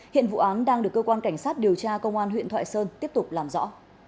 hiện vụ án đang được cơ quan cảnh sát điều tra công an huyện thoại sơn tiếp tục làm rõ